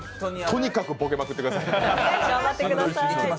とにかくボケまくってくださいね。